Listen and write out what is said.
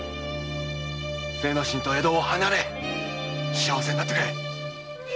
精之進と江戸を離れ幸せになってくれ。